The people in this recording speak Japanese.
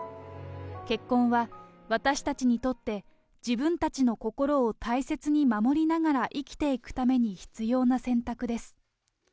結婚は私たちにとって、自分たちの心を大切に守りながら生きていくために必要な選択です。